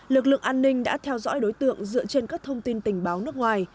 lực lượng an ninh đã theo dõi đối tượng dựa trên các thông tin tình bắt